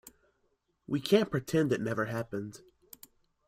We can't pretend it never happened.